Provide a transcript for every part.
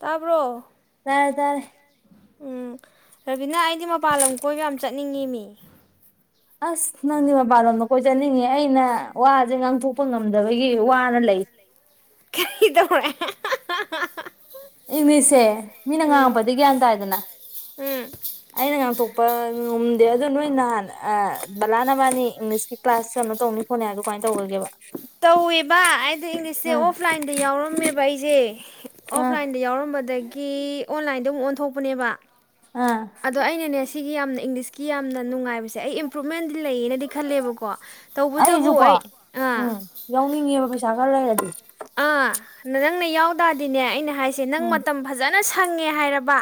ꯇꯥꯕꯣ ꯇꯥꯔꯦ ꯇꯥꯔꯦ ꯎꯝ ꯔꯕꯤꯅꯥ ꯑꯩꯗꯤ ꯃꯄꯥꯜ ꯂꯝ ꯀꯣꯏꯕ ꯌꯥꯝ ꯆꯠꯅꯤꯡꯉꯤ ꯃꯤ ꯑꯁ ꯅꯪꯕꯕꯥꯔꯅ ꯀꯣꯏ ꯆꯠꯅꯤꯡꯉꯦ ꯑꯩꯅ ꯋꯥꯁꯦ ꯉꯥꯡꯊꯣꯛꯄ ꯉ ꯐꯟꯗꯕꯒꯤ ꯋꯥꯅ ꯂꯩ ꯀꯩꯗꯧꯦ ꯏꯪꯂꯤꯁꯁꯦ ꯃꯤꯅ ꯉꯥꯡꯉꯛꯄꯗꯤ ꯒ꯭ꯌꯥꯟ ꯇꯥꯏꯗꯅ ꯎꯝ ꯑꯩꯅ ꯉꯥꯡꯊꯣꯛꯄ ꯉꯝꯗꯦ ꯑꯗ ꯅꯣꯏ ꯅꯍꯥꯟ ꯕꯂꯥꯅꯕꯥꯅꯤ ꯏꯪꯂꯤꯁꯀꯤ ꯀ꯭ꯂꯥꯁ ꯀ ꯌꯥꯝꯣ ꯇꯧꯅꯤꯣꯠꯅꯦ ꯍꯥꯏ ꯑꯗꯨ ꯀꯃꯥꯏꯅ ꯇꯧꯒꯦꯕ ꯇꯧꯋꯦꯕ ꯑꯩꯗꯣ ꯏꯪꯂꯤꯁꯁꯦ ꯑꯥ ꯑꯣꯐꯂꯥꯏꯟꯗ ꯌꯥꯎꯔꯝꯃꯦꯕ ꯑꯩꯁꯦ ꯑꯥ ꯑꯣꯐꯥꯏꯟ ꯌꯎꯔꯝ ꯍꯝꯕꯗꯒꯤ ꯑꯣꯟꯂꯥꯏꯟꯗ ꯑꯃꯨꯛ ꯑꯣꯟꯊꯣꯛꯄꯅꯦꯕ ꯑꯥ ꯑꯗꯣ ꯑꯩꯅꯅꯦ ꯁꯤꯒꯤ ꯌꯥꯝꯅ ꯏꯪꯂꯤꯁ ꯀꯤ ꯌꯥꯝꯅ ꯅꯨꯡꯉꯥꯏꯕꯁꯦ ꯑꯩ ꯄꯣꯃꯦꯟ ꯂꯩꯌꯦꯅꯗꯤ ꯈꯜꯂꯦꯕꯀꯣ ꯇꯧꯕꯇꯕꯨ ꯑꯩꯁꯨꯀꯣ ꯑꯩ ꯑꯥ ꯎꯝ ꯌꯥꯎꯅꯤꯡꯉꯦꯕ ꯄꯩꯁꯥ ꯔ ꯂꯩꯔꯗꯤ ꯑꯥ ꯅꯪꯅ ꯌꯥꯎꯗꯥꯗꯤꯅꯦ ꯑꯩꯅ ꯍꯥꯏꯁꯦ ꯅꯪ ꯎꯝ ꯃꯇꯝ ꯐꯖꯅ ꯀꯟꯅ ꯁꯪꯉꯦ ꯍꯥꯏꯔꯕ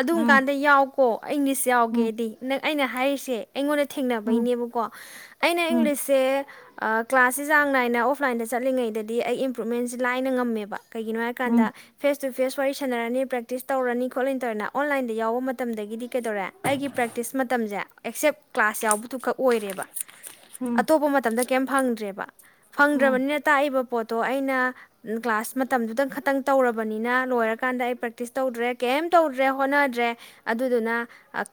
ꯑꯗꯨꯝ ꯎꯝ ꯀꯥꯟꯗ ꯌꯥꯎ ꯏꯪꯂꯤꯁꯤ ꯎꯝ ꯌꯥꯎꯒꯦꯗꯤ ꯅꯪ ꯑꯩꯅ ꯍꯥꯏꯔꯤꯁꯦ ꯑꯩꯉꯣꯟꯗ ꯎꯝ ꯊꯦꯡꯅꯕꯩꯅꯦꯕꯀꯣ ꯑꯩꯅ ꯎꯝ ꯏꯪꯂꯤꯁꯁꯦ ꯀ꯭ꯂꯥꯁꯁꯤꯦ ꯆꯥꯡ ꯅꯥꯏꯅ ꯑꯣꯐꯂꯥꯏꯟꯗ ꯆꯠꯂꯤꯉꯩꯗꯗꯤ ꯑꯩ ꯀꯀ꯭ꯔꯨꯠꯃꯦꯟꯁꯦ ꯂꯥꯏꯅ ꯉꯝꯃꯦꯕ ꯀꯩꯒꯤꯅꯣ ꯍꯥꯏ ꯀꯥꯟꯗ ꯎꯝ ꯐꯦꯁ ꯇꯨ ꯐꯦꯁ ꯋꯥꯔꯤ ꯁꯥꯟꯅꯔꯅꯤ ꯄ꯭ꯔꯦꯛꯇꯤꯁ ꯇꯧꯔꯅꯤ ꯈꯣꯠꯂꯅꯤ ꯇꯧꯔꯦꯅ ꯑꯣꯟꯂꯥꯏꯟꯗ ꯌꯥꯎꯕ ꯃꯇꯝꯗꯒꯤꯗꯤ ꯀꯩꯗꯧꯔꯦ ꯑꯩꯒꯤ ꯄ꯭ꯔꯦꯛꯇꯤꯁ ꯃꯇꯝꯁꯦ ꯑꯦꯛꯁꯦꯞ ꯀ꯭ꯂꯥꯁ ꯌꯥꯎꯕꯗꯨ ꯈꯛ ꯑꯣꯏꯔꯦꯕ ꯎꯝ ꯑꯇꯣꯞꯄ ꯃꯇꯝꯗ ꯀꯩꯝ ꯐꯪꯗ꯭ꯔꯦꯕ ꯎꯝ ꯐꯪꯗ꯭ꯔꯕꯅꯤꯅ ꯇꯥꯛꯏꯕ ꯄꯣꯠꯇꯣ ꯇꯣ ꯑꯩ ꯑꯩꯅ ꯀ꯭ꯂꯥꯁ ꯃꯇꯝꯗꯨꯗꯪ ꯈꯇꯪ ꯇꯧꯔꯕꯅꯤꯅ ꯂꯣꯏꯔꯀꯥꯟꯗ ꯑꯩ ꯄ꯭ꯔꯦꯛꯇꯤꯁ ꯇꯧꯗ꯭ꯔꯦ ꯀꯩꯝ ꯇꯧꯗ꯭ꯔꯦ ꯍꯣꯠꯅꯗ꯭ꯔꯦ ꯑꯗꯨꯗꯨꯅ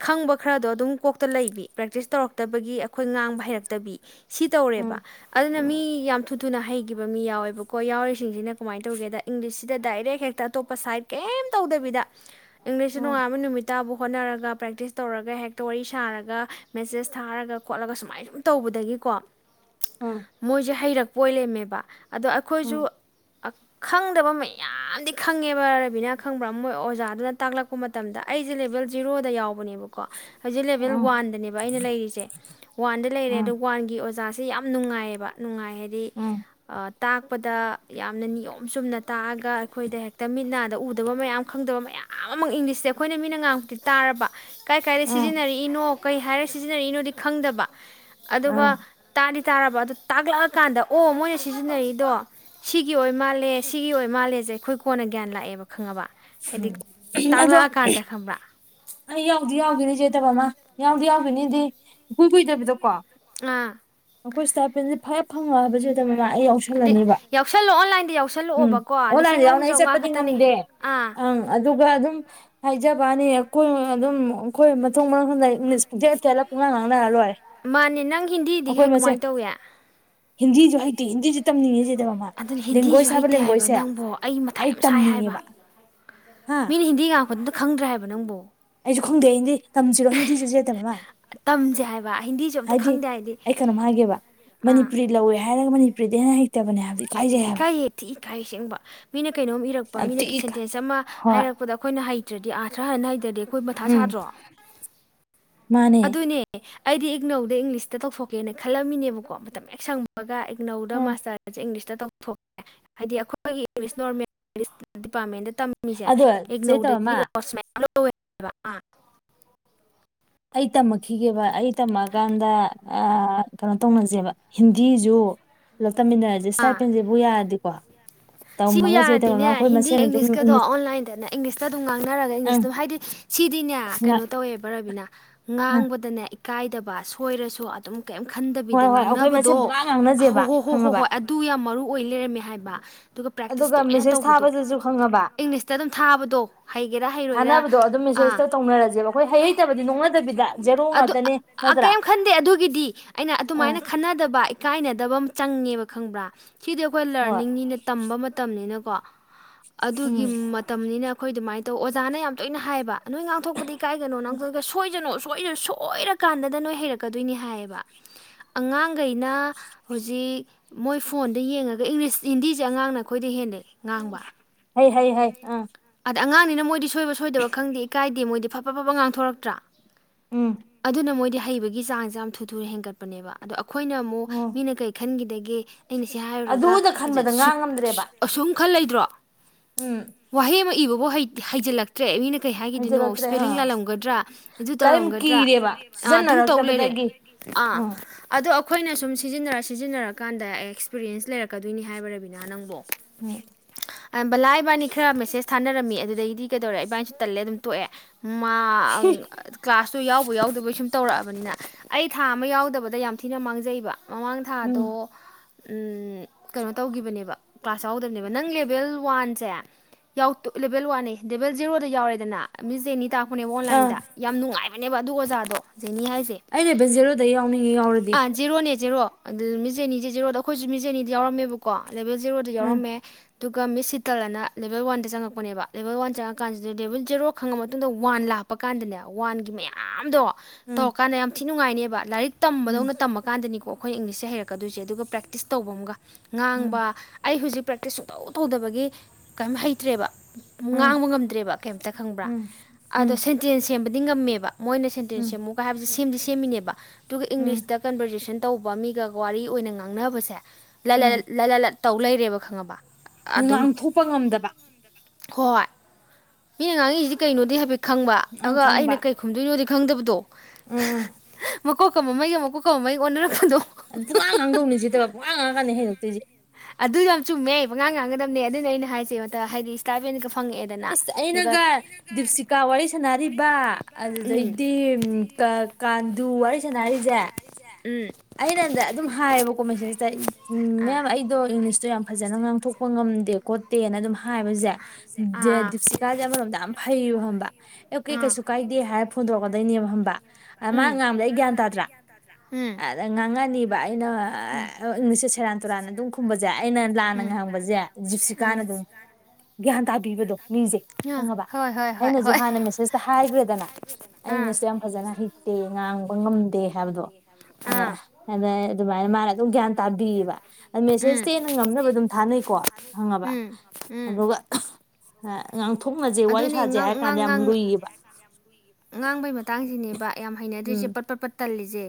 ꯈꯪꯕ ꯈꯔꯗꯣ ꯑꯗꯨꯝ ꯀꯣꯛꯇ ꯂꯩꯕꯤ ꯄ꯭ꯔꯦꯛꯇꯤꯁ ꯇꯧꯔꯛꯇꯕꯒꯤ ꯑꯩꯈꯣꯏ ꯉꯥꯡꯕ ꯍꯩꯔꯛꯇꯕꯤ ꯁꯤ ꯇꯧꯔꯦꯕ ꯎꯝ ꯑꯗꯨꯅ ꯃꯤ ꯌꯥꯝ ꯊꯨ ꯊꯨꯅ ꯍꯩꯈꯤꯕ ꯃꯤ ꯌꯥꯎꯋꯦꯕꯀ ꯀꯣꯏ ꯌꯥꯎꯔꯤꯁꯤꯡꯁꯤꯅ ꯀꯃꯥꯏꯅ ꯇꯧꯒꯦꯗ ꯏꯪꯂꯤꯁꯁꯤꯗ ꯗꯥꯏꯔꯦꯛ ꯍꯦꯛꯇ ꯑꯇꯣꯞꯄ ꯁꯥꯏꯠ ꯀꯩꯝ ꯇꯧꯗꯕꯤꯗ ꯏꯪꯂꯤꯁꯇ ꯎꯝ ꯅꯨꯡꯉꯥꯏꯕ ꯅꯨꯃꯤꯠꯠꯇꯥꯕꯨ ꯍꯣꯠꯅꯔꯒ ꯄ꯭ꯔꯦꯛꯇꯤꯁ ꯇꯧꯔꯒ ꯍꯦꯛꯇ ꯋꯥꯔꯤ ꯁꯥꯔꯒ ꯃꯦꯁꯦꯁ ꯊꯥꯔꯒ ꯈꯣꯠꯂꯒ ꯁꯨꯃꯥꯏ ꯁꯨꯝ ꯇꯧꯕꯗꯒꯤꯀꯣ ꯎꯝ ꯃꯣꯏꯁꯦ ꯍꯩꯔꯛꯄ ꯄꯣꯏꯂꯦꯝꯦꯝꯃꯦꯕ ꯑꯗꯣ ꯑꯩꯈꯣꯏꯁꯨ ꯎꯝ ꯈꯪꯗꯕ ꯃꯌꯥꯝꯗꯤ ꯈꯪꯉꯦꯕ ꯔꯕꯤꯅꯥ ꯈꯪꯕ꯭ꯔꯥ ꯃꯣꯏ ꯑꯣꯖꯥꯗꯨꯅ ꯇꯥꯛꯂꯛꯄ ꯃꯇꯝꯗ ꯑꯩꯁꯦ ꯂꯦꯕꯦꯜ ꯖꯤꯔꯣꯗ ꯌꯥꯎꯕ [inaudible] ꯎꯝ ꯎꯝ ꯁꯤ ꯌꯥꯝ ꯅꯨꯡꯉꯥꯏꯌꯦꯕ ꯅꯨꯡꯉꯥꯏ ꯍꯥꯏꯗꯤ ꯎꯝ ꯇꯥꯛꯄꯗ ꯌꯥꯝꯅ ꯅꯤꯌꯣꯝ ꯆꯨꯝꯅ ꯇꯥꯛꯑꯒ ꯑꯩꯈꯣꯏꯗ ꯍꯦꯛꯇ ꯃꯤꯠꯅꯗ ꯎꯗꯕ ꯃꯌꯥꯝ ꯈꯪꯗꯕ ꯃꯌꯥꯝ ꯑꯃ ꯏꯪꯂꯤꯁꯇꯦ ꯑꯩꯈꯣꯏꯅ ꯃꯤꯠꯅ ꯉꯥꯡꯃꯨꯛꯇꯤ ꯇꯥꯔꯕ ꯀꯥꯏ ꯀꯥꯏꯗ ꯎꯝ ꯁꯤꯖꯤꯟꯅꯔꯛꯏꯅꯣ ꯀꯩ ꯍꯥꯏꯔ ꯁꯤꯖꯤꯟꯅꯔꯛꯅꯣꯗꯤ ꯈꯪꯗꯕ ꯑꯗꯨꯒ ꯎꯝ ꯇꯥ ꯇꯥꯔꯕ ꯑꯗꯣ ꯇꯥꯛꯂꯛꯑꯀꯥꯟꯗ ꯑꯣ ꯃꯣꯏꯅ ꯁꯤꯖꯤꯟꯅꯩꯔꯤ ꯑꯗꯣ ꯁꯤꯒꯤ ꯑꯣꯏ ꯃꯥꯜꯂꯦ ꯁꯤꯒꯤ ꯑꯣꯏ ꯃꯥꯜꯂꯦꯁꯦ ꯑꯩꯈꯣꯏ ꯀꯣꯟꯅ ꯒ꯭ꯌꯥꯟ ꯂꯥꯛꯑꯦꯕ ꯈꯪꯉꯕ ꯎꯝ ꯍꯥꯏꯗꯤ ꯎꯝ ꯑꯗꯣ ꯇꯥꯛꯂꯛꯑꯀꯥꯟꯗ ꯈꯪꯕ꯭ꯔꯥ ꯑꯩ ꯌꯥꯎꯗꯤ ꯌꯥꯎꯈꯤꯣꯏꯅꯤ ꯆꯦꯠꯇꯕ ꯑꯃ ꯌꯥꯎꯗꯤ ꯌꯥꯎꯈꯤꯅꯤꯗꯤ ꯏꯀꯨꯏ ꯀꯨꯏꯗꯕꯤꯗꯀꯣ ꯑꯥ ꯑꯩꯈꯣꯏ ꯏꯁ꯭ꯇꯥꯐꯄꯦꯟꯁꯦ ꯐꯔ ꯐꯪꯉꯕꯕꯁꯤꯦ ꯑꯗꯨꯝ ꯑꯩ ꯑꯗꯩ ꯌꯥꯎꯁꯜꯂꯅꯦꯕ ꯌꯥꯎꯁꯜꯂꯣ ꯑꯣꯟꯂꯥꯏꯟꯗ ꯎꯝ ꯌꯥꯎꯁꯜꯂꯛꯑꯣꯕꯀꯣ ꯂꯤꯁꯤꯡ ꯑꯣꯟꯂꯥꯏꯟꯗ ꯑꯍꯨꯝ ꯌꯥꯎꯅ ꯑꯩ ꯆꯥꯝꯃꯉꯥ ꯆꯠꯄꯗꯤ ꯈꯛꯇꯅꯦ ꯉꯝꯗꯦ ꯑꯥ ꯑꯪ ꯑꯗꯨꯒ ꯑꯗꯨꯝ ꯍꯥꯏꯖꯕꯅꯤ ꯑꯩꯈꯣꯏ ꯑꯗꯨꯝ ꯑꯩꯈꯣꯏꯊ ꯃꯥꯡꯗꯊꯦꯠ ꯊꯦꯠꯂꯞ ꯄꯨꯡ ꯉꯥꯡ ꯉꯥꯡꯅꯔ ꯂꯣꯏꯔꯦ ꯃꯥꯅꯦ ꯅꯪ ꯍꯤꯟꯗꯤꯗꯤ ꯑꯩꯈꯣꯏ ꯃꯁꯦ ꯀꯃꯥꯏꯅ ꯇꯧꯏꯦ ꯍꯤꯟꯗꯤꯁꯨ ꯍꯩꯇꯦ ꯍꯤꯟꯗꯤꯁꯨ ꯇꯝꯅꯤꯡꯉꯦꯁꯤꯦ ꯑꯗꯨꯅ ꯍꯤꯟꯗꯤꯁꯨ ꯍꯩꯇꯦ ꯍꯥꯏꯕ ꯅꯪꯕꯨ ꯑꯩ ꯃꯊꯥꯏ ꯌꯥꯝ ꯁꯥꯏ ꯍꯥꯏꯕ ꯍꯥ ꯃꯤꯅ ꯍꯤꯟꯗꯤ ꯉꯥꯡꯉꯛꯄꯗꯨ ꯈꯪꯗ꯭ꯔꯦ ꯍꯥꯏꯕ ꯅꯪꯕꯨꯣ ꯑꯩꯁꯨ ꯈꯪꯗꯦꯗꯤ ꯇꯝꯁꯤꯔꯣ ꯍꯤꯟꯗꯤꯁꯨ ꯆꯦꯠꯇ ꯃꯃ ꯇꯝꯁꯦ ꯍꯥꯏꯕ ꯍꯤꯟꯗꯤꯁꯨ ꯑꯝꯇ ꯍꯥꯏꯗꯤ ꯈꯪꯗꯦ ꯑꯩ ꯀꯩꯅꯣꯝ ꯍꯥꯏꯒꯦꯕ ꯑꯥ ꯃꯅꯤꯄꯨꯔꯤ ꯂꯧꯋꯦ ꯍꯥꯏꯔꯒ ꯃꯅꯤꯄꯨꯔꯗꯩꯍꯦꯟꯅ ꯍꯩ ꯇꯕꯅꯦ ꯍꯥꯏ ꯏꯀꯥꯏ ꯌ ꯊꯤ ꯏꯀꯥꯏ ꯑꯁꯦꯡꯕ ꯃꯤꯅ ꯀꯩꯅꯣꯝ ꯏꯔꯛꯄ ꯌꯥꯝ ꯃꯤꯅ ꯊꯤ ꯏꯀꯥꯏ ꯁꯦꯟꯇꯦꯟꯁ ꯑꯃ ꯍꯣꯏ ꯍꯥꯏꯔꯛꯄꯗ ꯑꯩꯈꯣꯏꯅ ꯍꯩ ꯇ꯭ꯔꯗꯤ ꯑꯥꯊ꯭ꯔ ꯍꯟ ꯍꯩꯇ꯭ꯔꯗꯤ ꯑꯩꯈꯣꯏ ꯃꯊꯥ ꯎꯝ ꯁꯥꯗ꯭ꯔꯣ ꯃꯥꯅꯦ ꯑꯗꯨꯅꯦ ꯑꯩꯗꯤ ꯏꯪꯅꯧꯗ ꯏꯪꯂꯤꯁꯇ ꯇꯧꯊꯣꯛꯀꯦꯅ ꯈꯜꯂꯝꯃꯤꯅꯦꯕꯀꯣ ꯃꯇꯝ ꯍꯦꯛ ꯁꯪꯕꯒ ꯅꯧꯗ ꯎꯝ ꯃꯥꯁꯇꯔ ꯁ ꯏꯪꯂꯤꯁ ꯇꯧꯊꯣꯛꯀꯦ ꯍꯥꯏꯗꯤ ꯑꯩꯈꯣꯏꯒꯤ ꯑꯟꯏꯟꯇꯦꯜꯂꯤꯖꯦꯕꯜ ꯅꯣꯔꯃꯦꯜ ꯗꯤꯄꯥꯔꯠꯃꯦꯟꯗ ꯇꯝꯃꯤꯁꯦ ꯑꯗꯣ ꯆꯦ ꯏꯒꯅꯧꯗꯒꯤ ꯇꯕꯃꯥ ꯅꯣꯠꯁ ꯃꯌꯥ ꯑꯟꯏꯟ ꯑꯩ ꯇꯝꯃꯛꯈꯤꯒꯦꯕ ꯑꯩ ꯇꯝꯃꯛꯒꯥꯟꯗ ꯑ ꯀꯩꯅꯣ ꯇꯧꯅꯁꯦꯕ ꯍꯤꯟꯗꯤꯁꯨ ꯄꯨꯂꯞ ꯇꯝꯃꯤꯟꯅꯔꯁꯦ ꯑꯥ ꯁꯥꯏꯐꯦꯟꯁꯦꯕꯨ ꯌꯥꯔꯗꯤꯀꯣ ꯁꯤꯕꯨ ꯇꯝꯃꯒ ꯆꯦꯇꯃꯥ ꯌꯥꯔꯗꯤꯅꯦ ꯑꯩꯈꯣꯏ ꯍꯤꯟꯗꯤ ꯃꯁꯦꯟ ꯑꯗꯨꯝ ꯏꯪꯂꯤꯁꯀꯗꯣ ꯏꯪꯂꯤꯁ ꯑꯣꯟꯂꯥꯏꯟꯗꯅꯦ ꯏꯪꯂꯤꯁꯇ ꯑꯗꯨꯝ ꯉꯥꯡꯅꯔꯒ ꯏꯪꯂꯤꯁ ꯑꯪ ꯑꯗꯨꯝ ꯍꯥꯏꯗꯤ ꯁꯤꯗꯤꯅꯦ ꯉ ꯀꯩꯅꯣ ꯇꯧꯋꯦꯕ ꯔꯕꯤꯅꯥ ꯉꯥꯡꯕꯗꯅꯦ ꯀꯥꯏꯗꯕ ꯁꯣꯏꯔꯁꯨ ꯑꯗꯨꯝ ꯀꯩꯝ ꯍꯣꯏ ꯈꯟꯗꯕꯤꯗ ꯍꯣꯏ ꯑꯩꯈꯣꯏ ꯃꯁꯦꯟ ꯉꯥꯡꯅꯕꯗꯣ ꯄꯨꯡꯉꯥꯡ ꯍꯣ ꯉꯥꯡꯅꯁꯦꯕ ꯍꯣ ꯍꯣ ꯍꯣꯏ ꯈꯪꯉꯕ ꯍꯣꯏ ꯑꯗꯨ ꯌꯥꯝ ꯃꯔꯨ ꯑꯣ ꯑꯣꯏ ꯂꯩꯔꯝꯃꯦ ꯍꯥꯏꯕ ꯄ꯭ꯔꯦꯛꯇꯤꯁ ꯑꯗꯨꯒ ꯇꯣꯏꯅ ꯃꯦꯁꯦꯖ ꯇꯧꯕꯗꯣ ꯊꯥꯕꯗꯁꯨ ꯈꯪꯉꯕ ꯏꯪꯂꯤꯁꯇ ꯑꯗꯨꯝ ꯊꯥꯕꯗꯣ ꯍꯩꯒꯦꯔꯥ ꯍꯩꯔꯣꯏꯔꯥ ꯊꯥꯅꯕꯗꯣ ꯑꯗꯨꯝ ꯑꯥ ꯃꯦꯁꯦꯁꯇ ꯇꯧꯅꯔꯁꯦꯕ ꯑꯩꯈꯣꯏ ꯍꯩ ꯍꯩꯇꯕꯗꯤ ꯅꯣꯛꯅ ꯑꯗꯨ ꯑ ꯑ ꯀꯩꯝ ꯈꯟꯗꯦ ꯑꯗꯨꯒꯤꯗꯤ ꯑꯩꯅ ꯑꯥ ꯑꯗꯨꯃꯥꯏꯅ ꯈꯟꯅꯗꯕ ꯏꯀꯥꯏꯅꯗ ꯗꯕꯝ ꯆꯪꯉꯦꯕ ꯈꯪꯕ꯭ꯔꯥ ꯁꯤꯗꯤ ꯑꯩꯈꯣꯏ ꯍꯣꯏ ꯂꯔꯅꯤꯡꯅꯤꯅ ꯇꯝꯕ ꯃꯇꯝꯅꯤꯅ ꯀꯣ ꯎꯝ ꯑꯗꯨꯒꯤ ꯃꯇꯝꯅꯤꯅ ꯑꯩꯈꯣꯏ ꯑꯗꯨꯃꯥꯏ ꯗꯣ ꯑꯣꯖꯥꯅ ꯌꯥꯝ ꯇꯣꯏꯅ ꯍꯥꯏꯕ ꯅꯣꯏ ꯉꯥꯡꯊꯣꯛꯄꯗ ꯏꯀꯥꯏꯒꯅꯣ ꯅꯈꯣꯏꯀꯩꯁ ꯀꯩꯅꯣ ꯁꯣꯏꯔ ꯁꯣꯏꯔꯀꯥꯟꯗ ꯅꯣꯏ ꯍꯩꯔꯛꯀꯗꯣꯏꯅꯤ ꯍꯥꯏꯌꯦꯕ ꯑꯉꯥꯡꯒꯩꯅ ꯍꯧꯖꯤꯛ ꯃꯣꯏ ꯐꯣꯟꯗ ꯌꯦꯡꯉꯒ ꯏꯪꯂꯤꯁ ꯍꯤꯟꯗꯤꯖꯦ ꯑꯉꯥꯡꯅ ꯑꯩꯈꯣꯏꯗ ꯍꯦꯜꯂꯦ ꯉꯥꯡꯕ ꯍꯩ ꯍꯩ ꯍꯩ ꯑ ꯑꯗ ꯑꯉꯥꯡꯅꯤꯅ ꯃꯣꯏꯗꯤ ꯁꯨ ꯑꯁꯣꯏꯕ ꯁꯣꯏꯗꯕ ꯈꯪꯗꯦ ꯏꯀꯥꯏꯗꯦ ꯃꯣꯏꯗꯤ ꯐ ꯐ ꯐ ꯐ ꯉꯥꯡꯊꯣꯔꯛꯇ꯭ꯔꯥ ꯎꯝ ꯑꯗꯨꯅ ꯃꯣꯏꯗꯤ ꯍ ꯍꯩꯕꯒꯤ ꯆꯥꯡꯁꯦ ꯌꯥꯝ ꯊꯨ ꯊꯨꯅ ꯍꯦꯟꯒꯠꯄꯅꯦꯕ ꯑꯗꯣ ꯑꯩ ꯑꯩꯈꯣꯏꯅ ꯑꯃꯨꯛ ꯎꯝ ꯃꯤꯅ ꯀꯩ ꯈꯟꯒꯤꯗꯒꯦ ꯑꯩꯅ ꯁꯤ ꯍꯥꯏꯔꯨꯔꯒ ꯑꯗꯨꯗ ꯈꯟꯕꯗ ꯉꯥꯡ ꯉꯝꯗ꯭ꯔꯦꯕ ꯑꯁꯨꯝ ꯈꯜ ꯂꯩꯗ꯭ꯔꯣ ꯎꯝ ꯋꯥꯍꯩ ꯑꯃ ꯏꯕꯕꯥꯎ ꯍꯩ ꯍꯩꯖꯤꯜꯂꯛꯇ꯭ꯔꯦ ꯃꯤꯅ ꯀꯩ ꯍꯥꯏꯒꯤꯗꯣꯏꯅꯣ ꯍꯩꯖꯤꯜꯂꯛꯇ꯭ꯔꯦ ꯏꯁꯄꯦꯂꯤꯡ ꯑꯥ ꯂꯥꯜꯂꯝꯒꯗ꯭ꯔꯥ ꯑꯗꯨ ꯀꯔꯤꯝ ꯇꯧꯔꯝꯒꯗ꯭ꯔꯥ ꯀꯤꯔꯦꯕ ꯑꯥ ꯑꯗꯨꯝ ꯇꯧ ꯂꯩꯔꯦ ꯁꯤꯖꯤꯟꯅꯔꯛꯇꯕꯗꯒꯤ ꯑꯥ ꯎꯝ ꯑꯗꯣ ꯑꯩꯈꯣꯏꯅ ꯁꯨꯝ ꯁꯤꯖꯤꯟꯅꯔ ꯁꯤꯖꯤꯟꯅꯔꯀꯥꯟꯗ ꯑꯦꯛꯁꯄꯤꯔꯤꯌꯦꯟꯁ ꯂꯩꯔꯛꯀꯗꯣꯏꯅꯤ ꯍꯥꯏꯕ ꯔꯕꯤꯅꯥ ꯅꯪꯕꯣ ꯎꯝ ꯂꯥꯏꯕꯥꯅꯤ ꯈꯔ ꯃꯦꯁꯦꯁ ꯊꯥꯅꯔꯝꯃꯤ ꯑꯗꯨꯗꯩꯗꯤ ꯀꯩꯗꯧꯔꯦ ꯏꯕꯥꯏꯅꯁꯨ ꯇꯜꯂꯦ ꯑꯗꯨꯝ ꯇꯣꯛꯑꯦ ꯃꯥ ꯀ꯭ꯂꯥꯁ ꯁ ꯌꯥꯎꯕ ꯌꯥꯎꯗꯕꯩ ꯁꯨꯝ ꯇꯧꯔꯛꯑꯕꯅꯤꯅ ꯑꯩ ꯊꯥ ꯑꯃ ꯌꯥꯎꯗꯕꯗ ꯌꯥꯝ ꯊꯤꯅ ꯃꯥꯡꯖꯩꯕ ꯃꯃꯥꯡ ꯎꯝ ꯊꯥꯗꯣ ꯀꯩꯅꯣ ꯇꯧꯈꯤꯕꯅꯦꯕ ꯀ꯭ꯂꯥꯁ ꯌꯥꯎꯗꯕꯅꯦꯕ ꯅꯪ ꯂꯦꯕꯦꯜ ꯋꯥꯟꯁꯦ ꯂꯦꯚꯦꯜ ꯋꯥꯟꯦ ꯂꯦꯕꯦꯜ ꯖꯦꯔꯣꯗ ꯌꯥꯎꯔꯦꯗꯅ ꯃꯤꯁꯦ ꯑꯅꯤ ꯇ ꯅꯦ ꯑꯣꯟꯂꯥꯏꯟꯗ ꯌꯥꯝ ꯅꯨꯡꯉꯥꯏ ꯍꯥꯏꯅꯦꯕ ꯑꯗꯨ ꯑꯣꯖꯥꯗꯣ ꯖꯦꯅꯤ ꯍꯥꯏꯁꯦ ꯑꯩꯅꯦꯕ ꯖꯦꯔꯣꯗ ꯌꯥꯎꯅꯤꯡꯉꯤ ꯌꯥꯎꯔꯗꯤ ꯑꯥ ꯖꯦꯔꯣꯅꯦ ꯖꯦꯔꯣ ꯑꯗꯨ ꯃꯤꯆꯦ ꯑꯅꯤꯁ ꯖꯦꯔꯣꯗ ꯑꯩꯈꯣꯏꯁꯨ ꯃꯤꯆꯦꯅꯤꯗ ꯌꯥꯎꯔꯝꯃꯦꯕꯀꯣ ꯂꯦꯕꯦꯜ ꯖꯦꯔꯣꯗ ꯎꯝ ꯌꯥꯎꯔꯝꯃꯦ ꯑꯗꯨꯒ ꯃꯤꯠꯁꯤ ꯇꯜꯂꯅ ꯂꯦꯕꯦꯜ ꯋꯥꯟꯗ ꯆꯪꯉꯛꯄꯅꯦꯕ ꯂꯦꯕꯦꯜ ꯋꯥꯟ ꯆꯪꯉꯛꯀꯥꯟꯁꯤꯗ ꯂꯦꯕꯦꯜ ꯖꯦꯔꯣ ꯈꯪꯉ ꯃꯇꯨꯡꯗ ꯋꯥꯟ ꯂꯥꯛꯄ ꯀꯥꯟꯗꯅꯦ ꯋꯥꯟꯒꯤ ꯃꯌꯥꯝꯗꯣ ꯎꯝ ꯇꯣꯀꯥꯟꯅ ꯌꯥꯝ ꯁꯤ ꯅꯨꯡꯉꯥꯏꯅꯦꯕ ꯂꯥꯏꯔꯤꯛ ꯎꯝ ꯇꯝꯕꯗꯧꯅ ꯇꯝꯃꯀꯥꯟꯗꯅꯤꯀꯣ ꯑꯩꯈꯣꯏ ꯏꯪꯂꯤꯁꯦ ꯍꯩꯛꯀꯣꯏꯁꯦ ꯑꯗꯨꯒ ꯄ꯭ꯔꯦꯛꯇꯤꯁ ꯇꯧꯕ ꯑꯃꯒ ꯎꯝ ꯉꯥꯡꯕ ꯑꯩ ꯍꯧꯖꯤꯛ ꯄ꯭ꯔꯦꯛꯇꯤꯁ ꯁꯨꯡꯇꯧ ꯇꯧꯗꯕꯒꯤ ꯀꯩꯝ ꯍꯩꯇ꯭ꯔꯦꯕ ꯎꯝ ꯉꯥꯡꯕ ꯉꯝꯗ꯭ꯔꯦꯕ ꯀꯩꯇ ꯈꯪꯕ꯭ꯔꯥ ꯎꯝ ꯑꯣ ꯎꯝ ꯁꯦꯟꯇꯦꯟ ꯁꯦꯝ ꯂꯤꯉꯃꯕ ꯃꯣꯏꯅ ꯁꯦꯟꯇꯦꯟꯁ ꯎꯝ ꯁꯦꯝꯃꯨꯀ ꯍꯥꯏꯕꯁꯦ ꯁꯦꯝꯗꯤ ꯁꯦꯝꯃꯤꯅꯦꯕ ꯑꯗꯨꯒ ꯎꯝ ꯏꯪꯂꯤꯁꯇ ꯀꯟꯕꯔꯖꯦꯁꯟ ꯇꯧꯕ ꯃꯤꯒ ꯋꯥꯔꯤ ꯑꯣꯏꯅ ꯉꯥꯡꯅꯕꯁꯦ ꯎꯝ ꯂ ꯇꯧ ꯂꯩꯔꯦꯕ ꯈꯪꯉꯕ ꯑꯗꯨꯝ ꯉꯥꯡꯊꯣꯛꯄ ꯉꯝꯝꯕ ꯗꯕ ꯍꯣꯏ ꯃꯤꯅ ꯉꯥꯡꯉꯤꯁꯤꯗꯤ ꯀꯩꯅꯣꯗꯤ ꯍꯥꯏꯐꯦꯠꯇ ꯈꯪꯕ ꯑꯪ ꯑꯗꯨꯒ ꯈꯪꯕ ꯑꯩꯅ ꯀꯩ ꯈꯨꯝꯗꯣꯏꯅꯣꯗꯤ ꯈꯪꯗꯕꯗꯣ ꯎꯝ ꯃꯀꯣꯛ ꯀ ꯃꯃꯩꯒ ꯃꯀꯣꯛꯀ ꯃꯃꯩꯒ ꯑꯣꯟꯅꯔꯛꯄꯗꯣ ꯑ ꯄꯨꯡꯉꯥꯡ ꯉꯥꯡꯗꯧꯅꯤꯁꯦ ꯇꯕ ꯄꯨꯡꯉꯥꯡ ꯉꯥꯡꯉ ꯀꯥꯟꯅꯤ ꯍꯩꯩꯔꯛꯇꯣꯏꯁꯦ ꯑꯗꯨꯁꯨ ꯌꯥꯝ ꯆꯨꯝꯃꯦ ꯄꯉꯥꯡ ꯉꯥꯡꯒꯗꯕꯅꯦ ꯑꯗꯨꯅ ꯑꯩꯅ ꯍꯥꯏꯁꯦ ꯍꯥꯏꯗꯤ ꯏꯁꯇꯥ ꯐꯪꯉꯛꯑꯦꯗꯅ ꯑꯗꯨꯒ ꯑꯩꯅꯒ ꯗꯤꯞꯁꯤꯀꯥ ꯋꯥꯔꯤ ꯗꯤꯞꯁꯤꯀꯥ ꯋꯥꯔꯤ ꯁꯥꯟꯅꯔꯤꯕ ꯁꯥꯟꯅꯔꯤꯕ ꯎꯝ ꯑꯗꯨꯗꯩꯗꯤ ꯀꯥꯟꯗꯨ ꯋꯥꯔꯤ ꯁꯥꯅꯔꯤꯁꯦ ꯎꯝ ꯑꯩꯅ ꯍꯟꯗ ꯑꯗꯨꯝ ꯍꯥꯏꯌꯦꯕꯀꯣ ꯃꯦꯁꯦꯁꯇ ꯑꯥ ꯃꯦꯝ ꯑꯩꯗꯣ ꯏꯪꯂꯤꯁ ꯁꯨ ꯌꯥꯝ ꯐꯖꯅ ꯉꯥꯡꯊꯣꯛꯄ ꯉꯝꯗꯦ ꯈꯣꯠꯇꯦꯅ ꯑꯗꯨꯝ ꯍꯥꯏꯕꯁꯦ ꯑꯥ ꯑꯥ ꯗꯤꯞꯁꯤꯀꯥꯥꯁꯦ ꯑꯃꯔꯣꯝꯗ ꯌꯥꯝ ꯐꯩꯌꯦꯕ ꯈꯪꯕꯔ ꯑꯦ ꯀꯩ ꯎꯝ ꯀꯩꯁꯨ ꯀꯥꯏꯗꯦ ꯍꯥꯏꯔ ꯐꯣꯟꯇꯧꯔꯛꯀ ꯑꯗꯩꯅꯦꯕ ꯈꯪꯕꯔꯥ ꯑ ꯃꯥ ꯎꯝ ꯉꯥꯡꯕꯗ ꯑꯩ ꯒ꯭ꯌꯥꯟ ꯇꯥꯗ꯭ꯔꯥ ꯎꯝ ꯉꯥꯡꯉꯥꯅꯤꯕ ꯑꯩꯅ ꯏꯪꯂꯤꯁꯁꯦ ꯁꯦꯔꯥꯟ ꯇꯅꯝ ꯈꯨꯝꯕ ꯁꯦ ꯑꯩꯅ ꯂꯥꯟꯅ ꯉꯥꯡꯕꯁꯦ ꯖꯤꯞꯁꯤꯀꯥꯅ ꯑꯗꯨꯝ ꯁꯤ ꯈꯪꯉꯕ ꯒ꯭ꯌꯥꯟ ꯇꯥꯕꯤꯕꯗꯣ ꯃꯤꯁꯦ ꯈꯪꯉꯕ ꯑꯩꯅꯁꯨ ꯍꯥꯟꯅ ꯃꯦꯁꯦꯁꯇ ꯍꯥꯏꯈ꯭ꯔꯦꯗꯅ ꯑꯩꯅꯁꯨ ꯌꯥꯝ ꯐꯖꯅ ꯍꯩ ꯇꯦ ꯉꯥꯡꯕ ꯉꯝꯗꯦ ꯍꯥꯏꯕꯗꯣ ꯑꯗ ꯑꯗꯩ ꯑꯗꯨꯃꯥꯏꯅ ꯃꯥꯅ ꯑꯗꯨꯝ ꯒ꯭ꯌꯥꯟ ꯇꯥꯕꯤꯌꯦꯕ ꯃꯦꯁꯦꯁꯇꯤ ꯑꯩꯅ ꯉꯝꯅꯕ ꯑꯗꯨꯝ ꯊꯥꯅꯩꯀꯣ ꯈꯪꯉꯕ ꯑꯗꯨꯒ ꯍ ꯉꯥꯡ ꯑꯗꯨꯅꯦ ꯉꯥꯡ ꯉꯥꯡ ꯉꯥꯡ ꯉꯥꯡꯕꯩ ꯃꯇꯥꯡꯁꯤꯅꯦꯕ ꯌꯥꯝ ꯍꯩꯅꯗ꯭ꯔꯤꯁꯦ ꯎꯝ ꯄꯠ ꯄꯠ ꯄꯠ ꯇꯜꯂꯤꯁꯦ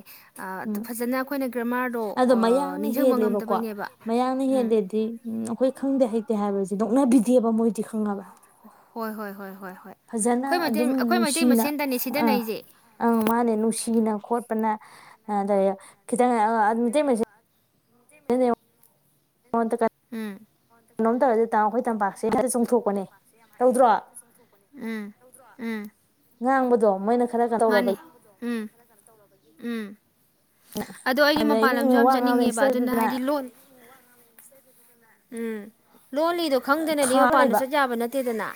ꯎꯝ ꯐꯖꯅ ꯑꯩꯈꯣꯏꯅ ꯒ꯭ꯔꯃꯥꯔꯗꯣ ꯑꯗꯣ ꯃꯌꯥꯡꯅ ꯅꯤꯡꯁꯤꯡꯕ ꯍꯦꯜꯂꯦꯕꯀꯣ ꯉꯝꯗꯕꯩꯅꯦꯕ ꯃꯌꯥꯡꯅ ꯎꯝ ꯍꯦꯜꯂꯦꯗꯤ ꯎ ꯑꯩꯈꯣꯏ ꯈꯪꯗꯦ ꯍꯩꯇꯦ ꯍꯥꯏꯕ ꯅꯣꯛꯅꯕꯤꯗꯦꯕ ꯃꯣꯏꯗꯤ ꯈꯪꯉꯕ ꯍꯣꯏ ꯍꯣꯏ ꯍꯣꯏ ꯍꯣꯏ ꯐꯖꯅ ꯑꯩꯈꯣꯏ ꯃꯩꯇꯩ ꯑꯗꯨꯝ ꯑꯩꯈꯣꯏ ꯃꯩꯇꯩ ꯅꯨꯡꯁꯤꯅ ꯃꯁꯦꯟꯗꯅꯤ ꯑꯥ ꯁꯤꯗꯅꯩꯁꯦ ꯑꯥ ꯃꯥꯅꯦ ꯅꯨꯡꯁꯤꯅ ꯈꯣꯠ ꯅ ꯑꯗ ꯈꯤꯇꯪ ꯑꯗꯨꯗ ꯃꯉꯣꯟ ꯎꯝ ꯀꯩꯅꯣꯝ ꯇꯧꯔꯗꯤ ꯇꯥ ꯑꯩꯈꯣꯏ ꯇꯄꯥꯛ ꯁꯤ ꯎꯝ ꯎꯝ ꯉꯥꯡꯕꯗꯣ ꯃꯣꯏꯅ ꯈꯔ ꯈꯔ ꯇꯧꯔꯕ ꯃꯥꯅꯦ ꯎꯝ ꯎꯝ ꯑꯗꯣ ꯑꯩꯗꯤ ꯃꯄꯥꯟ ꯑꯗꯩꯗꯤ ꯂꯝꯁꯨ ꯌꯥꯝ ꯋꯥ ꯉꯥꯡꯕꯗ ꯆꯠꯅꯤꯡꯉꯦꯕ ꯑꯗꯨꯅ ꯏꯁꯇꯦꯠꯇꯗꯅ ꯍꯥꯏꯗꯤ ꯂꯣꯟ ꯎꯝ ꯂꯣ ꯂꯤꯗꯣ ꯈꯪꯗꯅꯗꯤ ꯊꯥꯔ ꯃꯄꯥꯟꯗ ꯂꯩꯕ ꯆꯠ ꯌꯥꯕ ꯅꯠꯇꯦꯗꯅ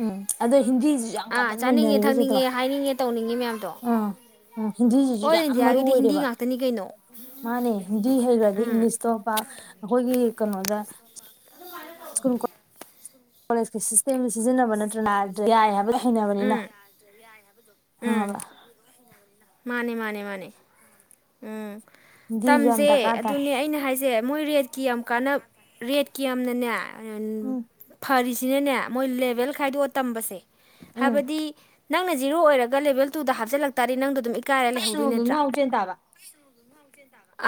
ꯎꯝ ꯑꯗ ꯍꯤꯟꯗꯤꯁꯤꯁꯨ ꯌꯥꯝ ꯑꯥ ꯀꯃꯟ ꯆꯥꯅꯤꯡꯉꯦ ꯑꯣꯏꯅꯔꯦꯕ ꯆꯦꯗꯣ ꯊꯛꯅꯤꯡꯉꯦ ꯍꯥꯏꯅꯤꯡꯉꯦ ꯇꯧꯅꯤꯡꯉꯦ ꯃꯌꯥꯝꯗꯣ ꯑꯥ ꯎꯝ ꯍꯤꯟꯗꯤꯁꯤꯁꯨ ꯑꯣꯜ ꯌꯥꯝ ꯃꯔꯨ ꯏꯟꯗꯤꯌꯥꯒꯤꯗꯤ ꯍꯤꯟꯗꯤ ꯑꯣꯏꯔꯦꯕ ꯉꯥꯛꯇꯅꯤ ꯀꯩꯅꯣ ꯃꯥꯅꯦ ꯍꯤꯟꯗꯤ ꯍꯩꯈ꯭ꯔꯗꯤ ꯎꯝ ꯏꯪꯂꯤꯁꯇꯣ ꯑꯩꯈꯣꯏꯒꯤ ꯀꯩꯅꯣꯗ ꯁꯨ ꯀꯣꯂꯦꯖꯀꯤ ꯁꯤꯁꯇꯦꯝꯁ ꯁꯤꯖꯤꯟꯅꯕ ꯅꯠꯇ꯭ꯔ ꯅꯥ꯭ꯔ ꯌꯥꯏ ꯍꯥꯏꯕ ꯊꯅꯕꯅꯤꯅ ꯎꯝ ꯍ ꯎꯝ ꯂ ꯃꯥꯅꯦ ꯃꯥꯅꯦ ꯃꯥꯅꯦ ꯎꯝ ꯍꯤꯟꯗꯤꯁꯨ ꯌꯥꯝ ꯇꯝꯁꯦ ꯗꯔꯀꯥꯔ ꯇꯥꯏ ꯑꯗꯨꯅꯦ ꯑꯩꯅ ꯍꯥꯏꯁꯦ ꯃꯣꯏ ꯔꯦꯠꯀꯤ ꯌꯥꯝ ꯀꯥꯟ ꯔꯦꯠꯀꯤ ꯌꯥꯝꯅꯅꯦ ꯑꯦ ꯎꯝ ꯐꯔꯤꯁ ꯁꯤꯅꯅꯦ ꯃꯣꯏ ꯂꯦꯚꯦꯜ ꯈꯥꯏꯗꯣꯛꯑ ꯇꯝꯕꯁꯦ ꯎꯝ ꯍꯥꯏꯕꯗꯤ ꯅꯪꯅ ꯖꯤꯔꯣ ꯑꯣꯏꯔꯒ ꯂꯦꯕꯦꯜ ꯇꯨꯗ ꯍꯥꯞꯆꯜꯂꯛꯛꯇꯔꯗꯤ ꯅꯪꯗ ꯑꯗꯨꯝ ꯏꯀꯥꯏꯔ ꯂꯩꯍꯧꯗꯣꯏ ꯉ ꯅꯠꯇ꯭ꯔꯥ ꯉꯥꯎ ꯆꯦꯟ ꯇꯥꯕ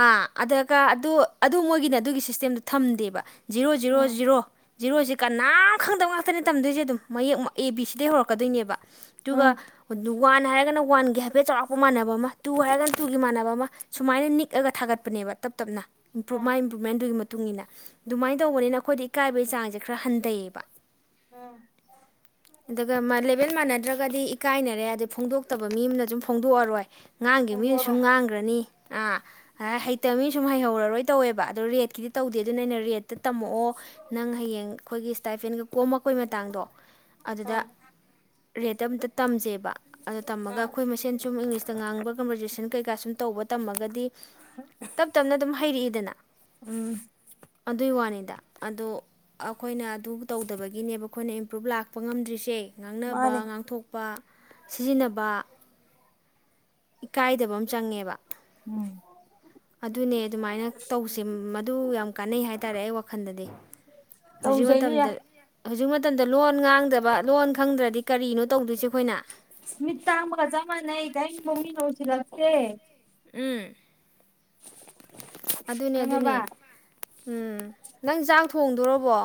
ꯑꯥ ꯑꯗꯨꯒ ꯑꯗꯨ ꯑꯗꯨ ꯃꯣꯏꯒꯤꯅꯦ ꯑꯗꯨꯒꯤ ꯁꯤꯁꯇꯦꯝꯗꯣ ꯊꯝꯗꯦꯕ ꯖꯤꯔꯣ ꯖꯤꯔꯣ ꯎꯝ ꯖꯤꯔꯣ ꯖꯤꯔꯣꯁꯤꯦ ꯀꯅꯥꯝ ꯈꯪꯗꯕ ꯉꯥꯛꯇꯅꯤ ꯇꯝꯗꯣꯏꯁꯦ ꯑꯗꯨꯝ ꯃꯌꯦꯛꯃꯛ ꯑꯦ ꯕꯤ ꯁꯤꯗꯩ ꯍꯧꯔꯛꯄ ꯀꯀꯗꯣꯏꯅꯦꯕ ꯑꯗꯨꯒ ꯎꯝ ꯋꯥꯟ ꯍꯥꯏꯔꯒꯅ ꯋꯥꯟꯒꯤ ꯍꯥꯏꯐꯦꯠ ꯆꯥꯎꯔꯥꯛꯄ ꯃꯥꯟꯅꯕ ꯑꯃ ꯇꯨ ꯍꯥꯏꯔꯒꯅ ꯇꯨꯒꯤ ꯃꯥꯟꯅꯕ ꯑꯃ ꯁꯨꯃꯥꯏꯅ ꯅꯤꯛꯑꯒ ꯊꯥꯒꯠꯄꯅꯦꯕ ꯇꯞ ꯇꯞꯅ ꯏꯝꯄ꯭ꯔꯨꯞ ꯎꯝ ꯃꯥꯏ ꯏꯝꯄ꯭ꯔꯨꯃꯦꯟꯗꯨꯒꯤ ꯃꯇꯨꯡ ꯏꯟꯅ ꯑꯗꯨꯃꯥꯏꯅ ꯇꯧꯕꯅꯤꯅ ꯑꯩꯈꯣꯏꯗ ꯏꯀꯥꯏꯕꯒꯤ ꯆꯥꯡꯁꯦ ꯈꯔ ꯍꯟꯊꯩꯌꯦꯕ ꯎꯝ ꯂꯦꯕꯦꯜ ꯃꯥꯟꯅ ꯅꯠꯇ꯭ꯔꯒꯗꯤ ꯏꯀꯥꯏꯅꯔꯦ ꯍꯥꯏꯗꯤ ꯐꯣꯡꯗꯣꯛꯇꯕ ꯃꯤ ꯑꯃꯅ ꯑꯗꯨꯨꯝ ꯐꯣꯡꯗꯣꯛꯑꯔꯣꯏ ꯉꯥꯡꯈꯤꯕ ꯃꯤꯅꯁꯨ ꯈꯣꯡꯗꯣꯛꯑꯒ ꯉꯥꯡꯈ꯭ꯔꯅꯤ ꯑꯥ ꯑ ꯍꯩꯇꯕꯅꯤ ꯁꯨꯝ ꯍꯩꯍꯧꯔꯔꯣꯏ ꯇꯧꯋꯦꯕ ꯑꯗꯨꯣ ꯔꯦ ꯗꯤ ꯇꯧꯗꯦ ꯑꯗꯨ ꯑꯩꯅ ꯔꯦꯠꯇ ꯇꯝꯃꯛꯑꯣ ꯅꯪ ꯍꯌꯦꯡ ꯑꯩꯈꯣꯏꯒꯤ ꯁꯇꯥꯏꯐꯦꯟꯒ ꯀꯣꯝ ꯃꯈꯀꯣꯏ ꯃꯇꯥꯡꯗꯣ ꯑꯗꯨꯗ ꯎꯝ ꯔꯔꯤꯇ ꯇ ꯇꯝꯖꯦꯕ ꯑꯗꯣ ꯇꯝꯃꯒ ꯎꯝ ꯑꯩꯈꯣꯏ ꯃꯁꯦꯟ ꯁꯨꯝ ꯏꯪꯂꯤꯁꯇ ꯉꯥꯡꯕ ꯀꯟꯕꯔꯖꯨꯦꯁꯟ ꯀꯩꯀꯥ ꯁꯨꯝ ꯇꯧꯕ ꯇꯝꯃꯒꯗꯤ ꯇꯞ ꯇꯞꯅ ꯑꯗꯨꯝ ꯍꯩꯔꯛꯏꯗꯅ ꯎꯝ ꯑꯗꯨꯒꯤ ꯋꯥꯅꯤꯗ ꯑꯗꯣ ꯑꯩꯈꯣꯏꯅ ꯑꯗꯨ ꯇꯧꯗꯕꯒꯤꯅꯦꯕ ꯑꯩꯈꯣꯏꯅ ꯏꯝꯄ꯭ꯔꯨꯞ ꯂꯥꯛꯄ ꯉꯝꯗ꯭ꯔꯤꯁꯦ ꯃꯥꯅꯦ ꯉꯥꯡꯅꯕ ꯉꯥꯡꯊꯣꯛꯄ ꯁꯤꯖꯤꯟꯅꯕ ꯏꯀꯥꯏꯗꯕ ꯆꯪꯉꯦꯕ ꯎꯝ ꯑꯗꯨꯅꯦ ꯑꯗꯨꯃꯥꯏꯅ ꯇꯧꯁꯦ ꯃꯗꯨ ꯌꯥꯝ ꯀꯥꯟꯅꯩ ꯍꯥꯏꯇꯥꯔꯦ ꯑꯩ ꯋꯥꯈꯜꯗꯗꯤ ꯍꯧꯖꯤꯛ ꯇꯧꯖꯩꯅꯤ ꯌꯥ ꯃꯇꯝꯗ ꯍꯧꯖꯤꯛ ꯃꯇꯝꯗ ꯂꯣꯟ ꯉꯥꯡꯗꯕ ꯂꯣꯟ ꯈꯪꯗ꯭ꯔꯗꯤ ꯀꯔꯤꯅꯣ ꯇꯧꯗꯣꯏꯁꯦ ꯑꯩꯈꯣꯏꯅ ꯃꯤ ꯊꯥꯡ ꯆ ꯃꯥꯅꯏ ꯀꯥꯏ ꯃꯝꯃꯃꯤ ꯅꯧ ꯁꯤ ꯂ ꯍꯝ ꯎꯝ [inaudible] ꯑꯗꯨꯅꯦ ꯈꯪꯉꯕ ꯑꯗꯨꯅꯦ ꯎꯝ ꯅꯪ ꯊꯣꯡꯗꯣꯔꯕꯣ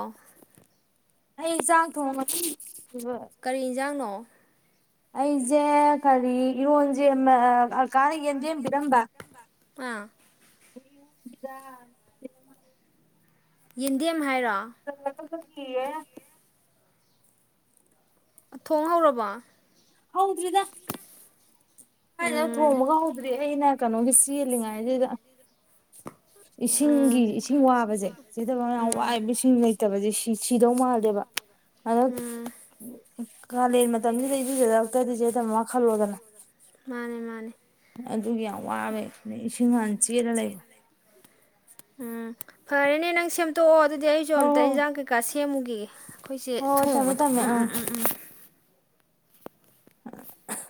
ꯑꯩ ꯆꯥ ꯊꯣꯡꯉ ꯀꯔꯤ ꯌꯦꯟꯁꯥꯡꯅꯣ ꯑꯣꯐ ꯑꯩꯁꯦ ꯀꯔꯤ ꯏꯔꯣꯟꯁꯦ ꯑꯜꯀꯥꯅ ꯌꯦꯟꯖꯦꯝꯕꯤꯔꯝꯕ ꯑꯥ ꯁꯤꯗ ꯏꯟꯌꯥ ꯦꯔꯥ ꯆꯜꯂꯒ ꯀꯤꯌꯦ ꯊꯣꯡ ꯍꯧꯧꯔꯕ ꯍꯥꯎꯗ꯭ꯔꯗ ꯑ ꯎꯝ ꯊꯣꯡꯃꯒ ꯍꯧꯗ꯭ꯔꯤ ꯑꯩꯅ ꯀꯩꯅꯣꯒꯤꯁꯤ ꯂꯉꯒ ꯎꯝ ꯏꯁꯤꯡꯒꯤ ꯏꯁꯤꯡ ꯋꯥꯕꯁꯦ ꯁꯤꯗꯕ ꯃꯌꯥꯝ ꯎꯝ ꯋꯥꯏꯕ ꯏꯁꯤꯡ ꯂꯩꯇꯕꯁꯦ ꯗꯧ ꯃꯥꯜꯗꯦꯕ ꯑ ꯎꯝ ꯀꯥꯂꯦꯟ ꯃꯇꯝꯁꯤꯗ ꯏꯁꯤꯁꯤꯗꯛꯇꯗꯤꯁꯦꯗꯝꯃꯥ ꯈꯜꯂꯣꯗꯅ ꯃꯥꯅꯦ ꯃꯥꯅꯦ ꯑꯗꯨꯒꯤ ꯌꯥꯝ ꯋꯥꯔꯦ ꯑ ꯏꯁꯤꯡ ꯍꯥꯟ ꯆꯦꯔ ꯂꯩꯕ ꯎꯝ ꯐꯔꯦꯅꯦ ꯅꯪ ꯁꯦꯝꯗꯣꯛꯑꯣ ꯑꯗꯨꯗꯤ ꯍꯣ ꯑꯩꯁ‌ꯣꯑꯝꯇ ꯍꯣ ꯍꯣꯏ ꯏꯩꯅꯖꯥꯡ ꯀꯥꯁ‌ꯦ ꯁ‌ꯦꯃꯨꯈꯤꯒ‌ꯦ ꯑꯩꯈꯣꯏꯁꯦ ꯍꯣꯏ ꯊꯝꯃꯦ ꯊꯣꯡꯕꯗꯣ ꯊꯝꯃꯦ ꯎꯝ ꯑꯥ ꯎꯝ ꯎꯝ ꯎꯝ [unintelligible]